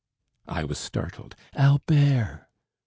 I was startled. "Albert!"